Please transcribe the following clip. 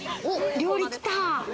料理きた！